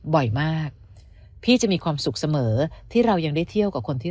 บ่อยมากพี่จะมีความสุขเสมอที่เรายังได้เที่ยวกับคนที่